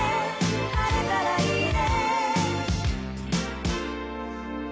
「晴れたらいいね」